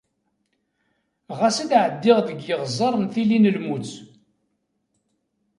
Ɣas ad ɛeddiɣ deg yiɣẓer n tili n lmut.